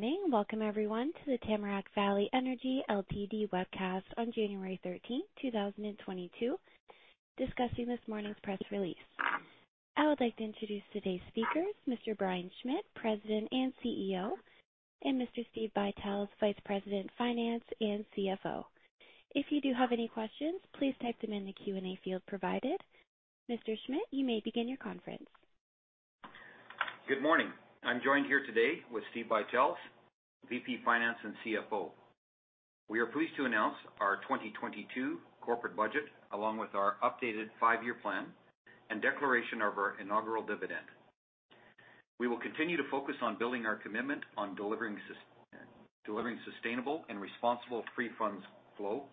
Good morning. Welcome everyone to the Tamarack Valley Energy Ltd webcast on January 13, 2022 discussing this morning's press release. I would like to introduce today's speakers, Mr. Brian Schmidt, President and CEO, and Mr. Steve Buytels, Vice President, Finance and CFO. If you do have any questions, please type them in the Q&A field provided. Mr. Schmidt, you may begin your conference. Good morning. I'm joined here today with Steve Buytels, VP, Finance and CFO. We are pleased to announce our 2022 corporate budget, along with our updated five-year plan and declaration of our inaugural dividend. We will continue to focus on building our commitment on delivering sustainable and responsible free funds flow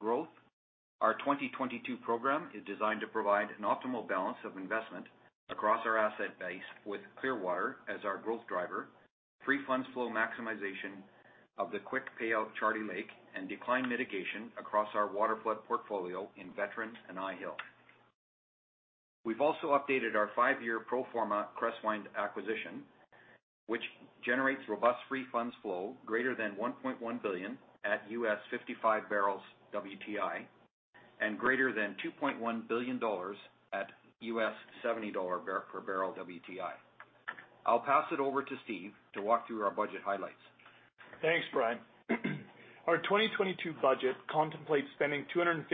growth. Our 2022 program is designed to provide an optimal balance of investment across our asset base with Clearwater as our growth driver, free funds flow maximization of the quick payout Charlie Lake, and decline mitigation across our waterflood portfolio in Veteran and Eyehill. We've also updated our five-year pro forma Crestwynd acquisition, which generates robust free funds flow greater than $1.1 billion at $55 barrels WTI, and greater than $2.1 billion at $70 per barrel WTI. I'll pass it over to Steve to walk through our budget highlights. Thanks, Brian. Our 2022 budget contemplates spending 250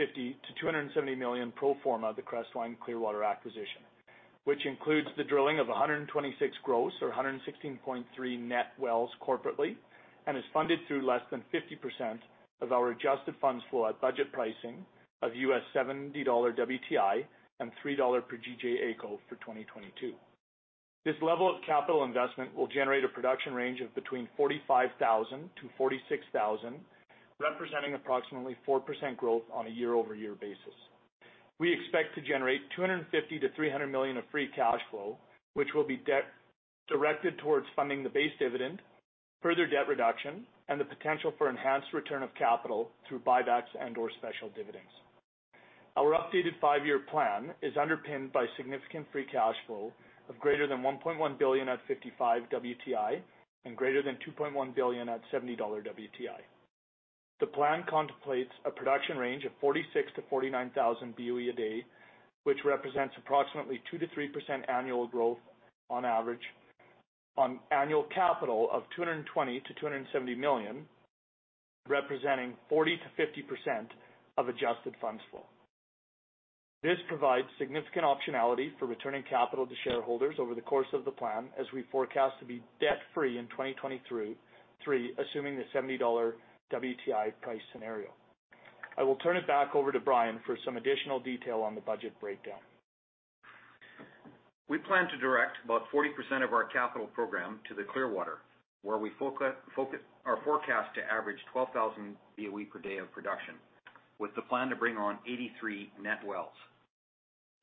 million-270 million pro forma of the Crestwynd Clearwater acquisition, which includes the drilling of 126 gross or 116.3 net wells corporately, and is funded through less than 50% of our adjusted funds flow at budget pricing of U.S. $70 WTI and 3 dollar per GJ AECO for 2022. This level of capital investment will generate a production range of between 45,000-46,000, representing approximately 4% growth on a year-over-year basis. We expect to generate 250 million-300 million of free cash flow, which will be debt-directed towards funding the base dividend, further debt reduction, and the potential for enhanced return of capital through buybacks and/or special dividends. Our updated five-year plan is underpinned by significant free cash flow of greater than $1.1 billion at $55 WTI and greater than $2.1 billion at $70 WTI. The plan contemplates a production range of 46,000-49,000 BOE a day, which represents approximately 2%-3% annual growth on average on annual capital of $220-$270 million, representing 40%-50% of adjusted funds flow. This provides significant optionality for returning capital to shareholders over the course of the plan as we forecast to be debt-free in 2023, assuming the $70 WTI price scenario. I will turn it back over to Brian for some additional detail on the budget breakdown. We plan to direct about 40% of our capital program to the Clearwater, where we are forecast to average 12,000 BOE per day of production, with the plan to bring on 83 net wells.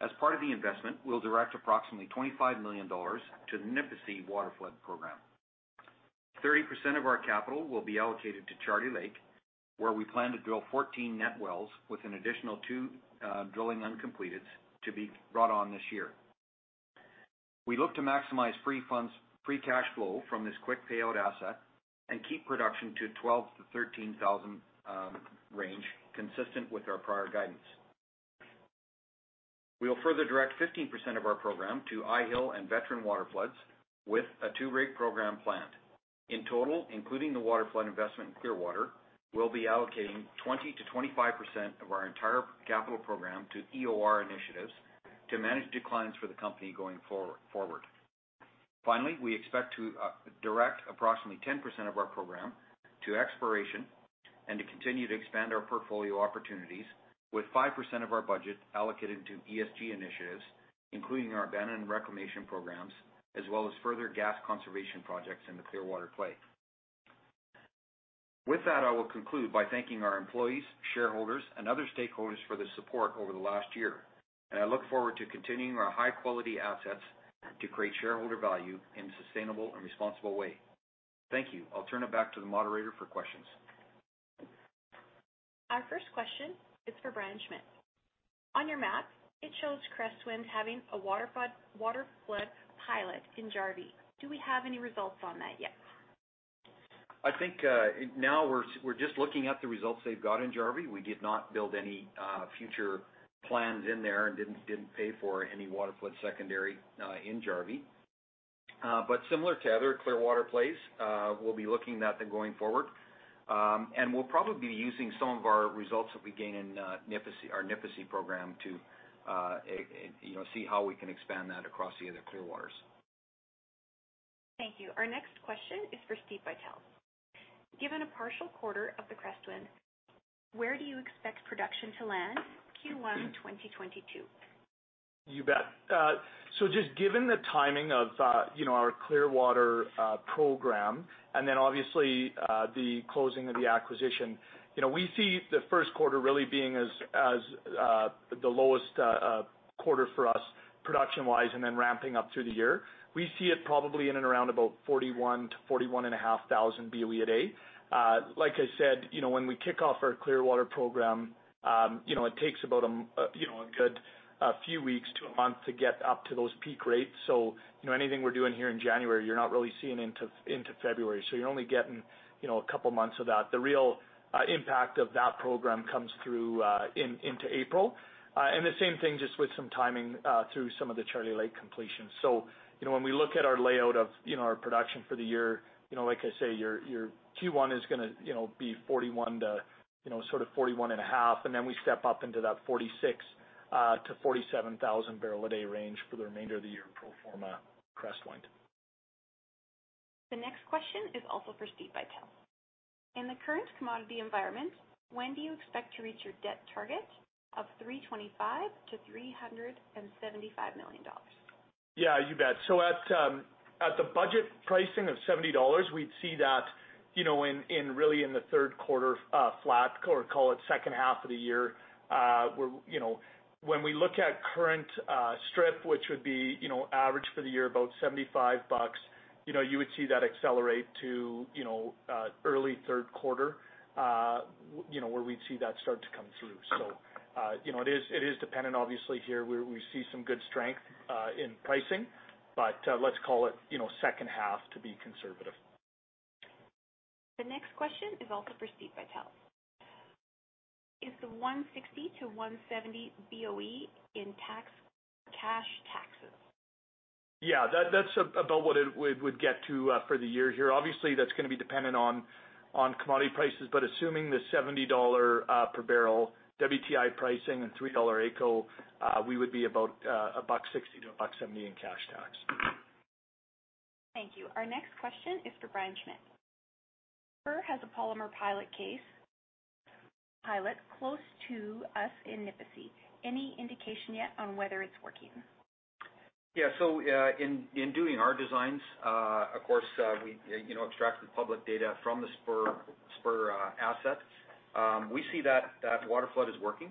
As part of the investment, we'll direct approximately 25 million dollars to the Nipisi waterflood program. 30% of our capital will be allocated to Charlie Lake, where we plan to drill 14 net wells with an additional two drilling uncompleted to be brought on this year. We look to maximize free funds, free cash flow from this quick payout asset and keep production to 12,000-13,000 range, consistent with our prior guidance. We will further direct 15% of our program to Eyehill and Veteran waterfloods with a two-rig program plan. In total, including the waterflood investment in Clearwater, we'll be allocating 20%-25% of our entire capital program to EOR initiatives to manage declines for the company going forward. Finally, we expect to direct approximately 10% of our program to exploration and to continue to expand our portfolio opportunities with 5% of our budget allocated to ESG initiatives, including our abandon and reclamation programs, as well as further gas conservation projects in the Clearwater play. With that, I will conclude by thanking our employees, shareholders, and other stakeholders for their support over the last year. I look forward to continuing our high-quality assets to create shareholder value in a sustainable and responsible way. Thank you. I'll turn it back to the moderator for questions. Our first question is for Brian Schmidt. On your map, it shows Crestwynd having a waterflood pilot in Jarvie. Do we have any results on that yet? I think, now we're just looking at the results they've got in Jarvie. We did not build any future plans in there and didn't pay for any waterflood secondary in Jarvie. Similar to other Clearwater plays, we'll be looking at that going forward. We'll probably be using some of our results that we gain in Nipisi, our Nipisi program to you know, see how we can expand that across the other Clearwaters. Thank you. Our next question is for Steve Buytels. Given a partial quarter of the Crestwynd, where do you expect production to land Q1 2022? You bet. Just given the timing of, you know, our Clearwater program, and then obviously, the closing of the acquisition, you know, we see the first quarter really being as the lowest quarter for us, production-wise, and then ramping up through the year, we see it probably in and around about 41,000-41,500 BOE a day. Like I said, you know, when we kick off our Clearwater program, you know, it takes about, you know, a good few weeks to a month to get up to those peak rates. You know, anything we're doing here in January, you're not really seeing into February, so you're only getting, you know, a couple months of that. The real impact of that program comes through into April. The same thing just with some timing through some of the Charlie Lake completions. You know, when we look at our layout of, you know, our production for the year, you know, like I say, your Q1 is gonna, you know, be 41,000-41,500. We step up into that 46,000-47,000 barrel a day range for the remainder of the year pro forma Crestwynd. The next question is also for Steve Buytels. In the current commodity environment, when do you expect to reach your debt target of 325 million-375 million dollars? Yeah, you bet. At the budget pricing of $70, we'd see that, you know, in the third quarter, flat or call it second half of the year, you know. When we look at current strip, which would be, you know, average for the year, about $75, you know, you would see that accelerate to, you know, early third quarter, you know, where we'd see that start to come through. You know, it is dependent, obviously here, we see some good strength in pricing, but, let's call it, you know, second half to be conservative. The next question is also for Steve Buytels. Is the 160-170 BOE in tax, cash taxes? Yeah. That's about what it would get to for the year here. Obviously, that's gonna be dependent on commodity prices, but assuming the $70 per barrel WTI pricing and 3 dollar AECO, we would be about 1.60-1.70 in cash tax. Thank you. Our next question is for Brian Schmidt. Spur has a polymer pilot case, pilot close to us in Nipisi. Any indication yet on whether it's working? Yeah. In doing our designs, of course, we you know extracted public data from the Spur asset. We see that waterflood is working.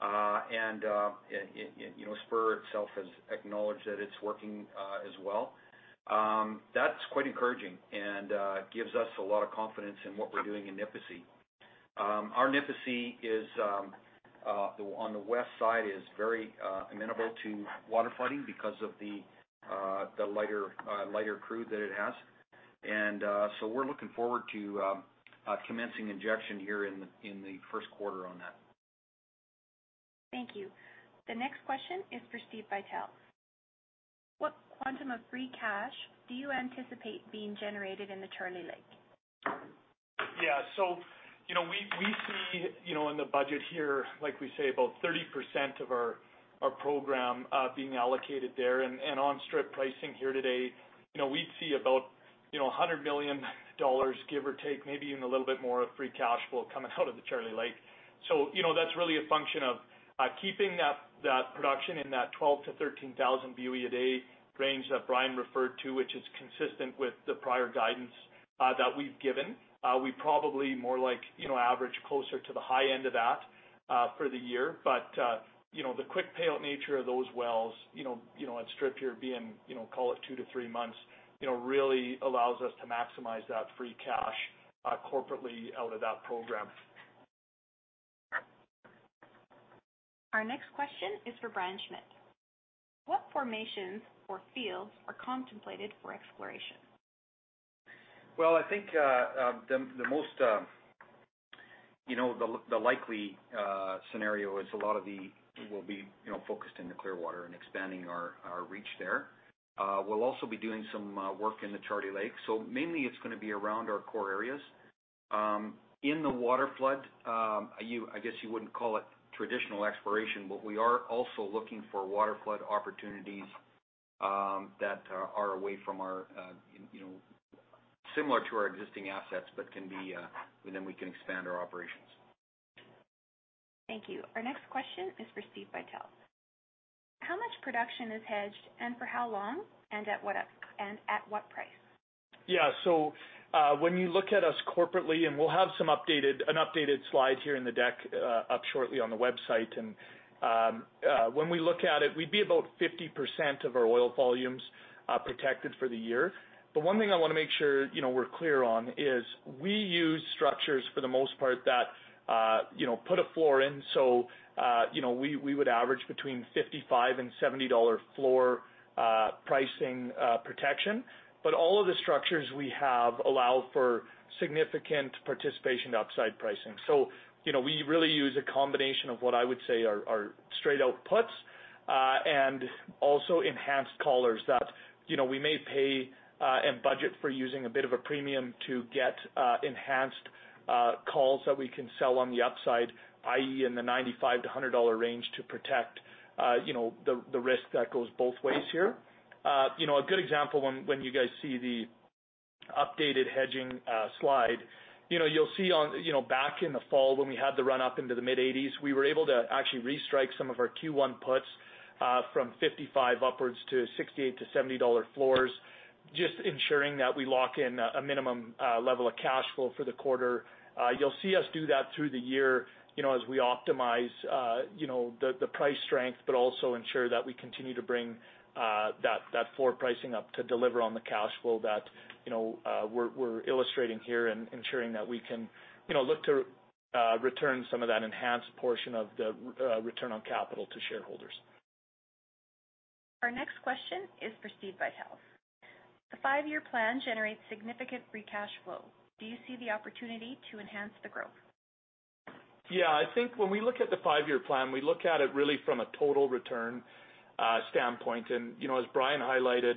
You know, Spur itself has acknowledged that it's working as well. That's quite encouraging and gives us a lot of confidence in what we're doing in Nipisi. Our Nipisi on the west side is very amenable to waterflooding because of the lighter crude that it has. We're looking forward to commencing injection here in the first quarter on that. Thank you. The next question is for Steve Buytels. What quantum of free cash do you anticipate being generated in the Charlie Lake? Yeah. You know, we see, you know, in the budget here, like we say, about 30% of our program being allocated there. On strip pricing here today, you know, we'd see about, you know, 100 million dollars, give or take, maybe even a little bit more of free cash flow coming out of the Charlie Lake. You know, that's really a function of keeping that production in that 12,000-13,000 BOE a day range that Brian referred to, which is consistent with the prior guidance that we've given. We probably more like, you know, average closer to the high end of that for the year. You know, the quick payout nature of those wells, you know, at strip here being, you know, call it two-three months, you know, really allows us to maximize that free cash, corporately out of that program. Our next question is for Brian Schmidt. What formations or fields are contemplated for exploration? Well, I think the most you know likely scenario is a lot of it will be you know focused in the Clearwater and expanding our reach there. We'll also be doing some work in the Charlie Lake. Mainly it's gonna be around our core areas. In the waterflood, I guess you wouldn't call it traditional exploration, but we are also looking for waterflood opportunities that are away from our you know similar to our existing assets, but then we can expand our operations. Thank you. Our next question is for Steve Buytels. How much production is hedged and for how long and at what price? Yeah. When you look at us corporately, and we'll have an updated slide here in the deck up shortly on the website. When we look at it, we'd be about 50% of our oil volumes protected for the year. One thing I wanna make sure, you know, we're clear on is we use structures for the most part that, you know, put a floor in. You know, we would average between $55-$70 floor pricing protection. All of the structures we have allow for significant participation to upside pricing. you know, we really use a combination of what I would say are straight outrights, and also enhanced collars that, you know, we may pay, and budget for using a bit of a premium to get, enhanced calls that we can sell on the upside, i.e., in the $95-$100 range to protect, you know, the risk that goes both ways here. you know, a good example when you guys see the updated hedging slide, you know, you'll see on, you know, back in the fall when we had the run-up into the mid-$80s, we were able to actually restrike some of our Q1 puts, from $55 upwards to $68-$70 dollar floors. Just ensuring that we lock in a minimum level of cash flow for the quarter. You'll see us do that through the year, you know, as we optimize, you know, the price strength, but also ensure that we continue to bring that forward pricing up to deliver on the cash flow that, you know, we're illustrating here and ensuring that we can, you know, look to return some of that enhanced portion of the return on capital to shareholders. Our next question is for Steve Buytels. The Five-Year Plan generates significant free cash flow. Do you see the opportunity to enhance the growth? I think when we look at the Five-Year Plan, we look at it really from a total return standpoint. You know, as Brian highlighted,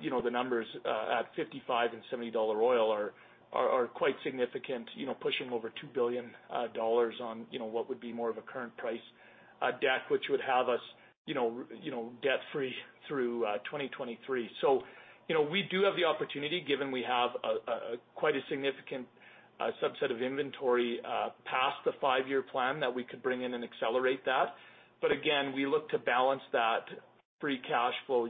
you know, the numbers at $55-$70 oil are quite significant, you know, pushing over $2 billion on what would be more of a current price debt, which would have us you know debt-free through 2023. You know, we do have the opportunity, given we have a quite significant subset of inventory past the Five-Year Plan that we could bring in and accelerate that. Again, we look to balance that free cash flow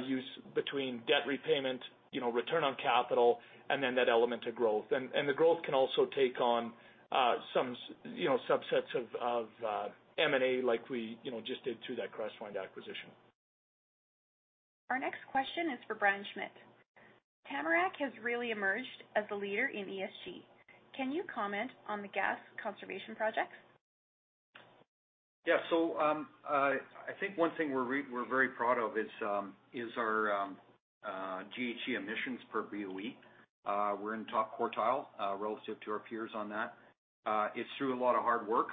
use between debt repayment, you know, return on capital, and then that element of growth. The growth can also take on, you know, subsets of M&A like we, you know, just did through that Crestwynd acquisition. Our next question is for Brian Schmidt. Tamarack has really emerged as the leader in ESG. Can you comment on the gas conservation projects? Yeah, I think one thing we're very proud of is our GHG emissions per BOE. We're in top quartile relative to our peers on that. It's through a lot of hard work.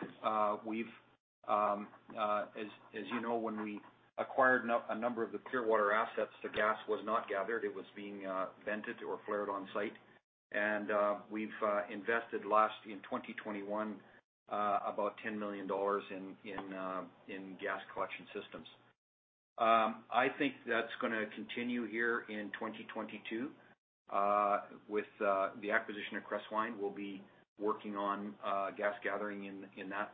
We've, as you know, when we acquired a number of the Clearwater assets, the gas was not gathered. It was being vented or flared on site. We've invested in 2021 about 10 million dollars in gas collection systems. I think that's gonna continue here in 2022. With the acquisition of Crestwynd, we'll be working on gas gathering in that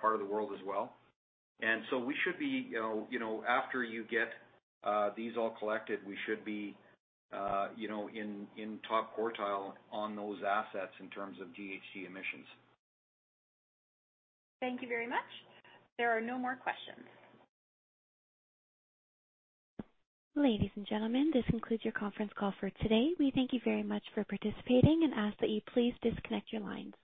part of the world as well. We should be, you know, after you get these all collected, we should be, you know, in top quartile on those assets in terms of GHG emissions. Thank you very much. There are no more questions. Ladies and gentlemen, this concludes your conference call for today. We thank you very much for participating and ask that you please disconnect your lines.